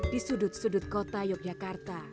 di sudut sudut kota yogyakarta